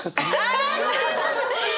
あごめんなさい！